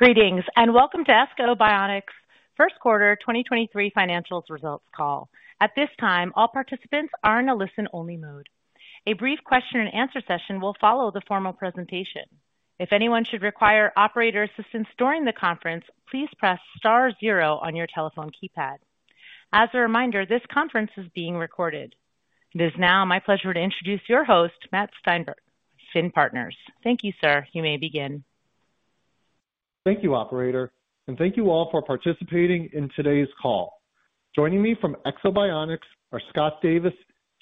Greetings, and welcome to Ekso Bionics' 1st quarter 2023 financials results call. At this time, all participants are in a listen-only mode. A brief question and answer session will follow the formal presentation. If anyone should require operator assistance during the conference, please press star zero on your telephone keypad. As a reminder, this conference is being recorded. It is now my pleasure to introduce your host, Matt Steinberg of FINN Partners. Thank you, sir. You may begin. Thank you, operator, and thank you all for participating in today's call. Joining me from Ekso Bionics are Scott Davis,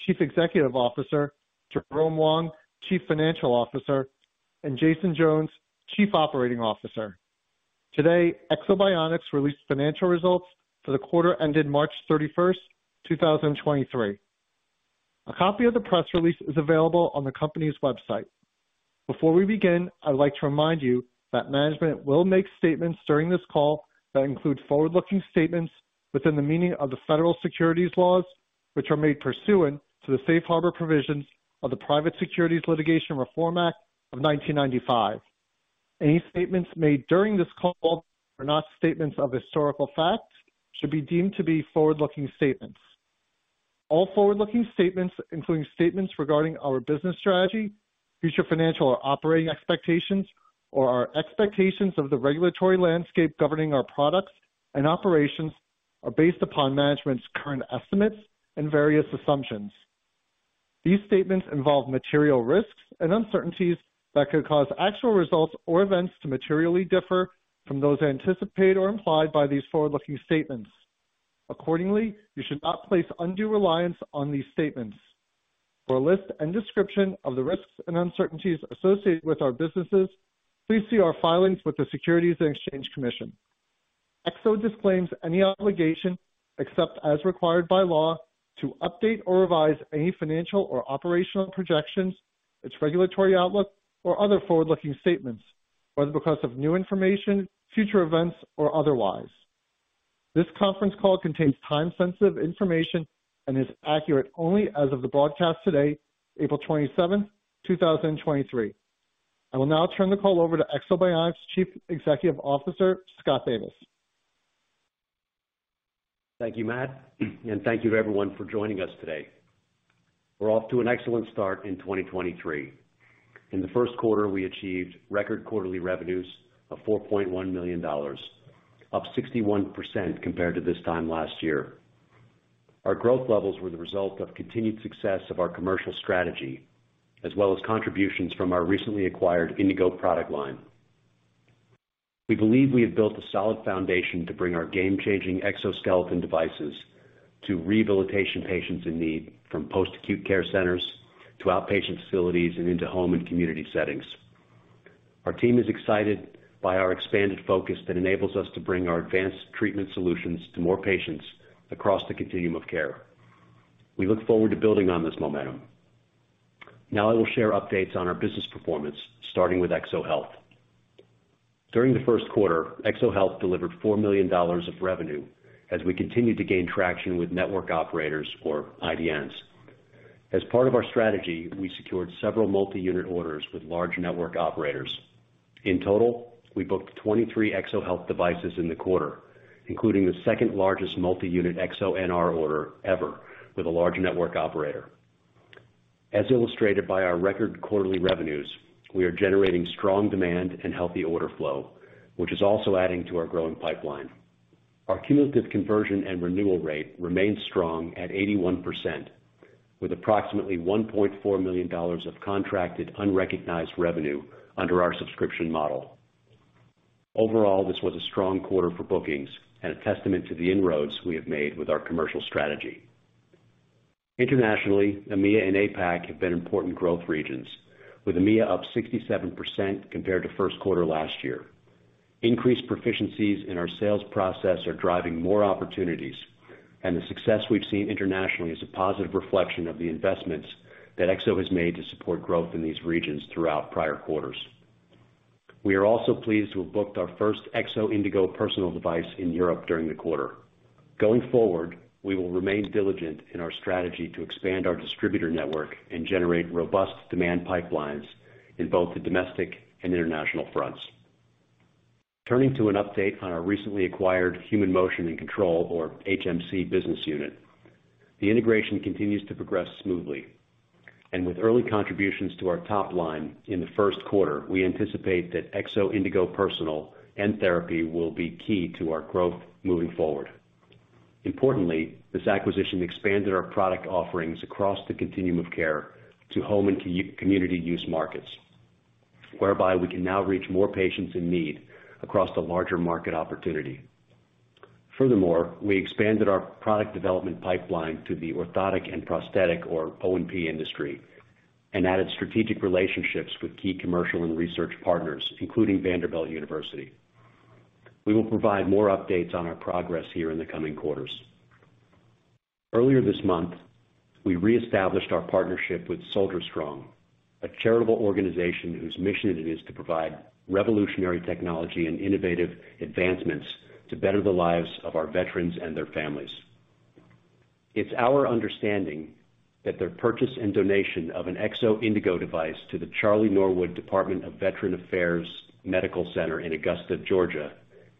Chief Executive Officer, Jerome Wong, Chief Financial Officer, and Jason Jones, Chief Operating Officer. Today, Ekso Bionics released financial results for the quarter ended March 31, 2023. A copy of the press release is available on the company's website. Before we begin, I'd like to remind you that management will make statements during this call that include forward-looking statements within the meaning of the federal securities laws, which are made pursuant to the Safe Harbor provisions of the Private Securities Litigation Reform Act of 1995. Any statements made during this call that are not statements of historical fact should be deemed to be forward-looking statements. All forward-looking statements, including statements regarding our business strategy, future financial or operating expectations, or our expectations of the regulatory landscape governing our products and operations, are based upon management's current estimates and various assumptions. These statements involve material risks and uncertainties that could cause actual results or events to materially differ from those anticipated or implied by these forward-looking statements. Accordingly, you should not place undue reliance on these statements. For a list and description of the risks and uncertainties associated with our businesses, please see our filings with the Securities and Exchange Commission. Ekso disclaims any obligation, except as required by law, to update or revise any financial or operational projections, its regulatory outlook, or other forward-looking statements, whether because of new information, future events, or otherwise. This conference call contains time-sensitive information and is accurate only as of the broadcast today, April 27th, 2023. I will now turn the call over to Ekso Bionics' Chief Executive Officer, Scott Davis. Thank you, Matt, and thank you to everyone for joining us today. We're off to an excellent start in 2023. In the first quarter, we achieved record quarterly revenues of $4.1 million, up 61% compared to this time last year. Our growth levels were the result of continued success of our commercial strategy, as well as contributions from our recently acquired Indego product line. We believe we have built a solid foundation to bring our game-changing exoskeleton devices to rehabilitation patients in need, from post-acute care centers to outpatient facilities and into home and community settings. Our team is excited by our expanded focus that enables us to bring our advanced treatment solutions to more patients across the continuum of care. We look forward to building on this momentum. I will share updates on our business performance, starting with EksoHealth. During the first quarter, EksoHealth delivered $4 million of revenue as we continued to gain traction with network operators or IDNs. As part of our strategy, we secured several multi-unit orders with large network operators. In total, we booked 23 EksoHealth devices in the quarter, including the second-largest multi-unit EksoNR order ever with a large network operator. As illustrated by our record quarterly revenues, we are generating strong demand and healthy order flow, which is also adding to our growing pipeline. Our cumulative conversion and renewal rate remains strong at 81%, with approximately $1.4 million of contracted unrecognized revenue under our subscription model. Overall, this was a strong quarter for bookings and a testament to the inroads we have made with our commercial strategy. Internationally, EMEA and APAC have been important growth regions, with EMEA up 67% compared to first quarter last year. Increased proficiencies in our sales process are driving more opportunities, the success we've seen internationally is a positive reflection of the investments that Ekso has made to support growth in these regions throughout prior quarters. We are also pleased to have booked our first Ekso Indego Personal device in Europe during the quarter. Going forward, we will remain diligent in our strategy to expand our distributor network and generate robust demand pipelines in both the domestic and international fronts. Turning to an update on our recently acquired Human Motion and Control, or HMC business unit, the integration continues to progress smoothly. With early contributions to our top line in the first quarter, we anticipate that Ekso Indego Personal and Therapy will be key to our growth moving forward. Importantly, this acquisition expanded our product offerings across the continuum of care to home and community use markets, whereby we can now reach more patients in need across the larger market opportunity. We expanded our product development pipeline to the orthotic and prosthetic or O&P industry and added strategic relationships with key commercial and research partners, including Vanderbilt University. We will provide more updates on our progress here in the coming quarters. Earlier this month, we reestablished our partnership with SoldierStrong, a charitable organization whose mission it is to provide revolutionary technology and innovative advancements to better the lives of our veterans and their families. It's our understanding that their purchase and donation of an Ekso Indego device to the Charlie Norwood Department of Veterans Affairs Medical Center in Augusta, Georgia,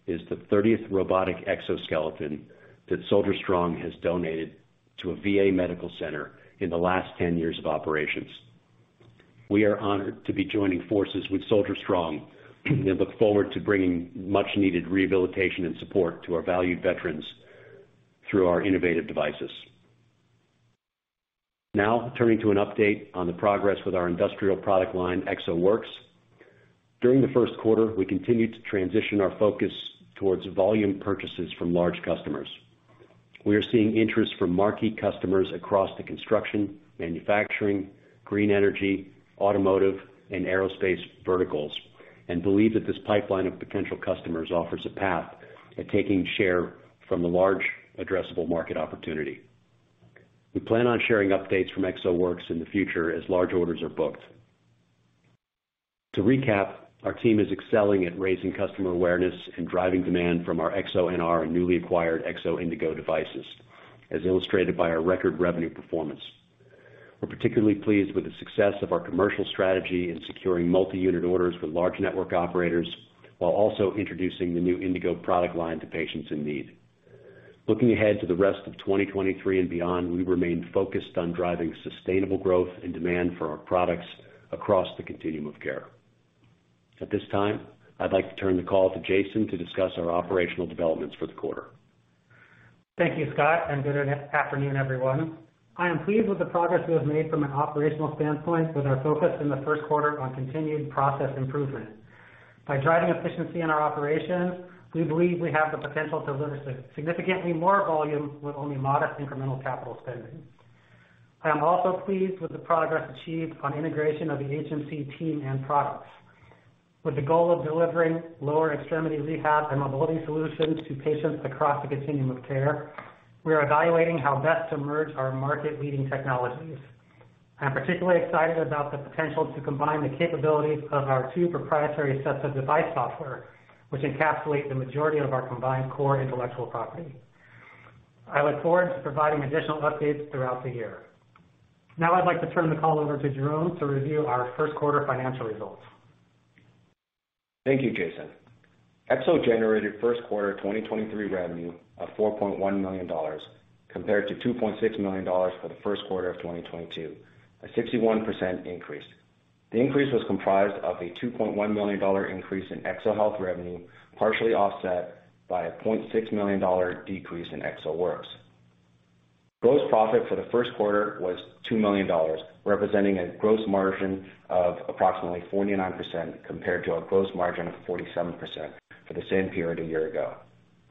is the 30th robotic exoskeleton that SoldierStrong has donated to a VA medical center in the last 10 years of operations. We are honored to be joining forces with SoldierStrong and look forward to bringing much needed rehabilitation and support to our valued veterans through our innovative devices. Now turning to an update on the progress with our industrial product line, EksoWorks. During the first quarter, we continued to transition our focus towards volume purchases from large customers. We are seeing interest from marquee customers across the construction, manufacturing, green energy, automotive and aerospace verticals, and believe that this pipeline of potential customers offers a path at taking share from the large addressable market opportunity. We plan on sharing updates from EksoWorks in the future as large orders are booked. To recap, our team is excelling at raising customer awareness and driving demand from our EksoNR and newly acquired Ekso Indego devices, as illustrated by our record revenue performance. We're particularly pleased with the success of our commercial strategy in securing multi-unit orders with large network operators, while also introducing the new Indego product line to patients in need. Looking ahead to the rest of 2023 and beyond, we remain focused on driving sustainable growth and demand for our products across the continuum of care. At this time, I'd like to turn the call to Jason to discuss our operational developments for the quarter. Thank you, Scott, and good afternoon, everyone. I am pleased with the progress we have made from an operational standpoint with our focus in the first quarter on continued process improvement. By driving efficiency in our operations, we believe we have the potential to deliver significantly more volume with only modest incremental capital spending. I am also pleased with the progress achieved on integration of the HMC team and products. With the goal of delivering lower extremity rehab and mobility solutions to patients across the continuum of care, we are evaluating how best to merge our market-leading technologies. I'm particularly excited about the potential to combine the capabilities of our two proprietary sets of device software, which encapsulate the majority of our combined core intellectual property. I look forward to providing additional updates throughout the year. Now I'd like to turn the call over to Jerome to review our first quarter financial results. Thank you, Jason. Ekso generated first quarter 2023 revenue of $4.1 million compared to $2.6 million for the first quarter of 2022, a 61% increase. The increase was comprised of a $2.1 million increase in EksoHealth revenue, partially offset by a $0.6 million decrease in EksoWorks. Gross profit for the first quarter was $2 million, representing a gross margin of approximately 49% compared to a gross margin of 47% for the same period a year ago.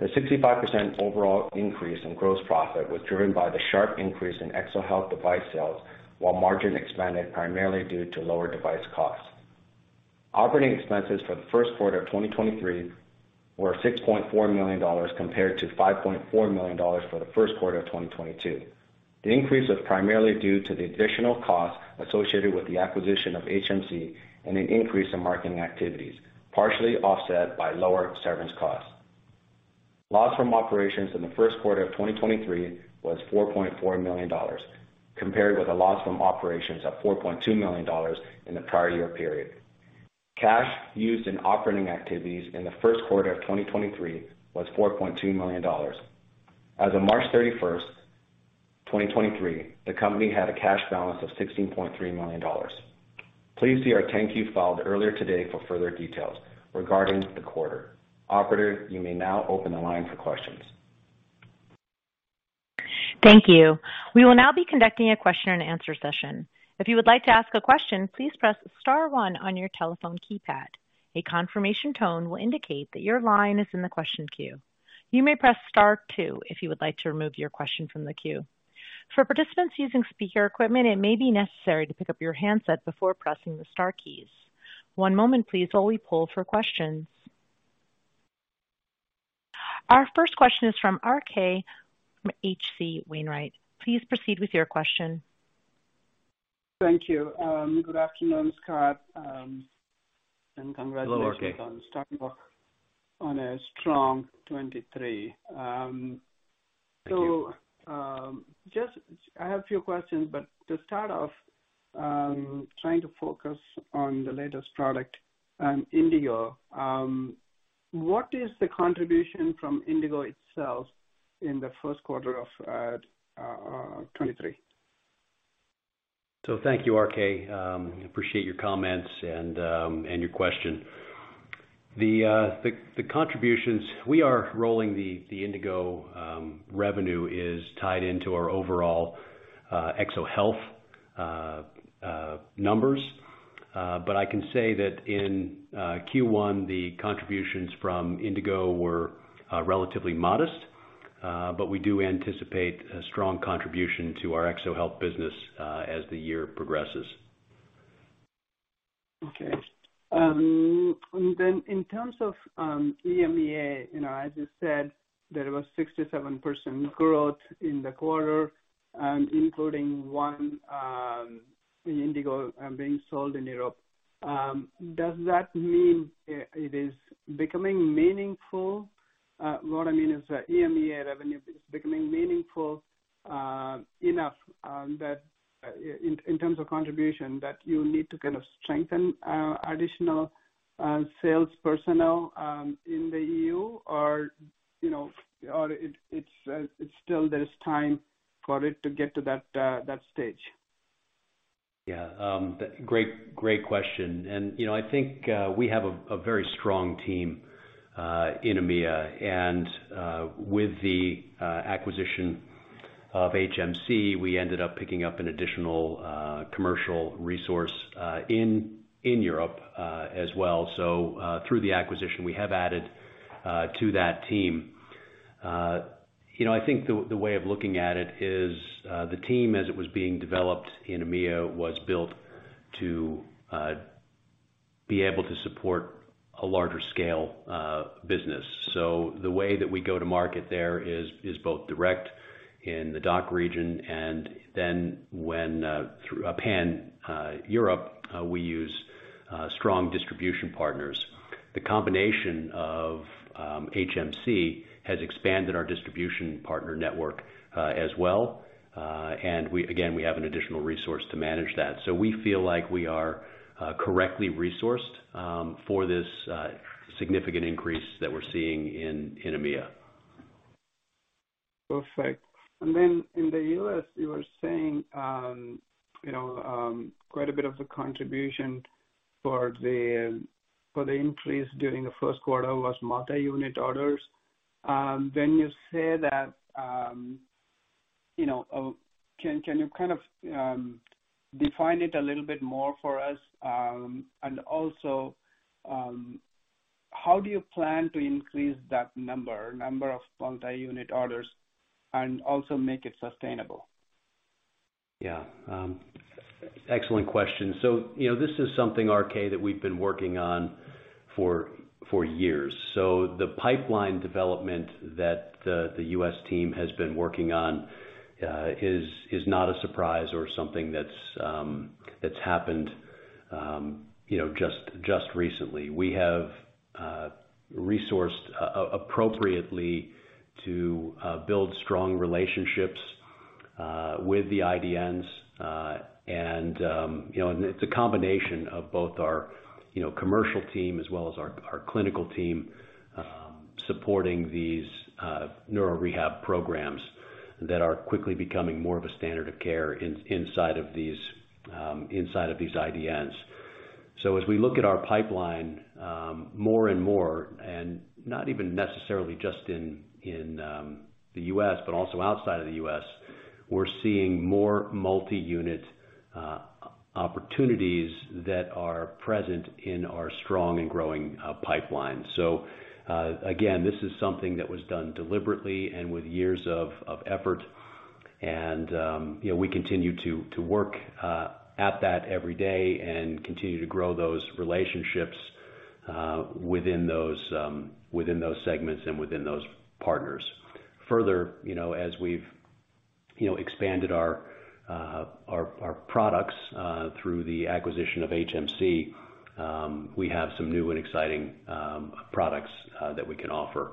The 65% overall increase in gross profit was driven by the sharp increase in EksoHealth device sales, while margin expanded primarily due to lower device costs. Operating expenses for the first quarter of 2023 were $6.4 million compared to $5.4 million for the first quarter of 2022. The increase was primarily due to the additional costs associated with the acquisition of HMC and an increase in marketing activities, partially offset by lower severance costs. Loss from operations in the first quarter of 2023 was $4.4 million, compared with a loss from operations of $4.2 million in the prior year period. Cash used in operating activities in the first quarter of 2023 was $4.2 million. As of March 31st, 2023, the company had a cash balance of $16.3 million. Please see our 10-Q filed earlier today for further details regarding the quarter. Operator, you may now open the line for questions. Thank you. We will now be conducting a question and answer session. If you would like to ask a question, please press star one on your telephone keypad. A confirmation tone will indicate that your line is in the question queue. You may press star two if you would like to remove your question from the queue. For participants using speaker equipment, it may be necessary to pick up your handset before pressing the star keys. One moment please while we poll for questions. Our first question is from RK from H.C. Wainwright. Please proceed with your question. Thank you. good afternoon, Scott, and congratulations. Hello, RK. -on starting off on a strong 2023. Just I have a few questions, but to start off, trying to focus on the latest product, Indego. What is the contribution from Indego itself in the first quarter of 2023? Thank you, RK. Appreciate your comments and your question. The contributions we are rolling the Indego revenue is tied into our overall EksoHealth numbers. I can say that in Q1, the contributions from Indego were relatively modest. We do anticipate a strong contribution to our EksoHealth business as the year progresses. Okay. In terms of EMEA, you know, as you said, there was 67% growth in the quarter. Including one Indego being sold in Europe. Does that mean it is becoming meaningful? What I mean is the EMEA revenue is becoming meaningful enough that in terms of contribution that you need to kind of strengthen additional sales personnel in the EU or, you know, or it's still there's time for it to get to that stage? Yeah. Great question. You know, I think we have a very strong team in EMEA and with the acquisition of HMC, we ended up picking up an additional commercial resource in Europe as well. Through the acquisition, we have added to that team. You know, I think the way of looking at it is the team as it was being developed in EMEA was built to be able to support a larger scale business. The way that we go to market there is both direct in the DACH region and then when through Pan-Europe, Europe, we use strong distribution partners. The combination of HMC has expanded our distribution partner network as well. Again, we have an additional resource to manage that. We feel like we are correctly resourced for this significant increase that we're seeing in EMEA. Perfect. Then in the U.S., you were saying, you know, quite a bit of the contribution for the increase during the first quarter was multi-unit orders. When you say that, you know, can you kind of define it a little bit more for us? Also, how do you plan to increase that number of multi-unit orders, and also make it sustainable? Yeah. Excellent question. You know, this is something, RK, that we've been working on for years. The pipeline development that the U.S. team has been working on is not a surprise or something that's happened, you know, just recently. We have resourced appropriately to build strong relationships with the IDNs, and, you know, it's a combination of both our, you know, commercial team as well as our clinical team supporting these neuro rehab programs that are quickly becoming more of a standard of care inside of these IDNs. As we look at our pipeline, more and more, and not even necessarily just in the U.S., but also outside of the U.S., we're seeing more multi-unit opportunities that are present in our strong and growing pipeline. Again, this is something that was done deliberately and with years of effort and, you know, we continue to work at that every day and continue to grow those relationships within those segments and within those partners. You know, as we've, you know, expanded our products through the acquisition of HMC, we have some new and exciting products that we can offer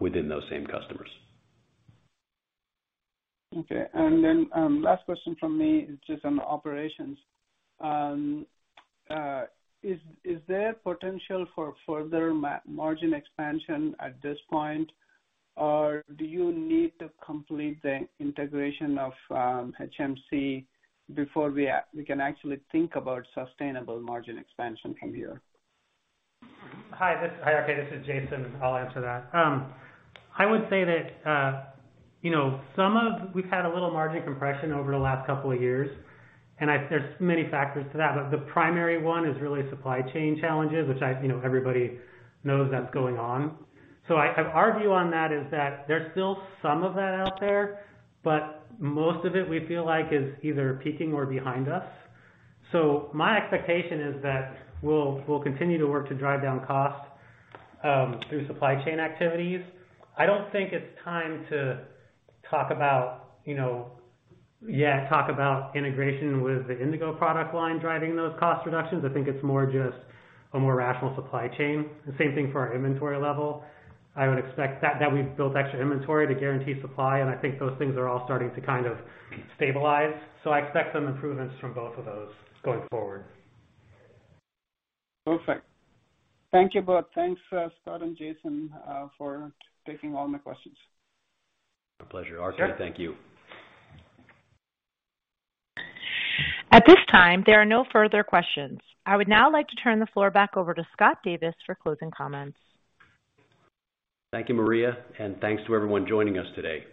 within those same customers. Okay. Last question from me is just on operations. Is there potential for further margin expansion at this point? Or do you need to complete the integration of HMC before we can actually think about sustainable margin expansion from here? Hi, RK, this is Jason. I'll answer that. I would say that, you know, We've had a little margin compression over the last couple of years, and there's many factors to that, but the primary one is really supply chain challenges, which I, you know, everybody knows that's going on. Our view on that is that there's still some of that out there, but most of it, we feel like is either peaking or behind us. My expectation is that we'll continue to work to drive down costs through supply chain activities. I don't think it's time to talk about, you know, yeah, talk about integration with the Indego product line driving those cost reductions. I think it's more just a more rational supply chain. The same thing for our inventory level. I would expect that we've built extra inventory to guarantee supply, and I think those things are all starting to kind of stabilize. I expect some improvements from both of those going forward. Perfect. Thank you both. Thanks, Scott and Jason, for taking all my questions. My pleasure. Sure. RK, thank you. At this time, there are no further questions. I would now like to turn the floor back over to Scott Davis for closing comments. Thank you, Maria, and thanks to everyone joining us today.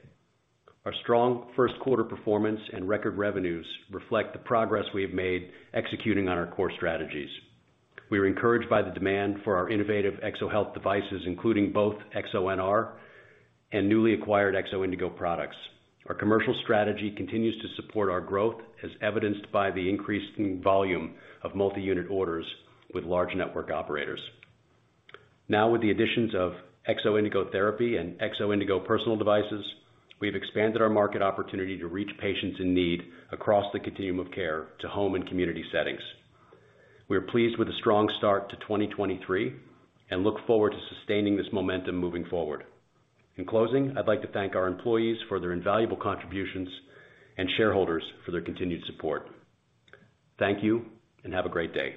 Our strong first quarter performance and record revenues reflect the progress we have made executing on our core strategies. We are encouraged by the demand for our innovative EksoHealth devices, including both EksoNR and newly acquired Ekso Indego products. Our commercial strategy continues to support our growth, as evidenced by the increasing volume of multi-unit orders with large network operators. Now, with the additions of Ekso Indego Therapy and Ekso Indego Personal devices, we've expanded our market opportunity to reach patients in need across the continuum of care to home and community settings. We are pleased with the strong start to 2023 and look forward to sustaining this momentum moving forward. In closing, I'd like to thank our employees for their invaluable contributions and shareholders for their continued support. Thank you and have a great day.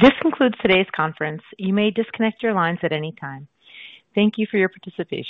This concludes today's conference. You may disconnect your lines at any time. Thank you for your participation.